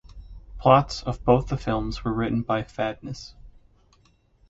Plots of both the films were written by Phadnis.